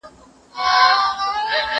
زه ليک لوستی دی،